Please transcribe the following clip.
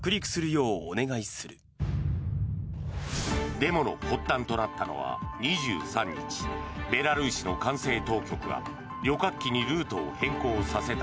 デモの発端となったのは２３日ベラルーシの管制当局が旅客機にルートを変更させた